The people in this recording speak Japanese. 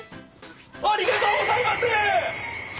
ありがとうございます！